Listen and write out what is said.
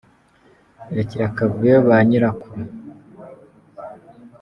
rekera akavuyo banyirako